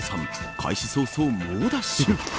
開始早々、猛ダッシュ。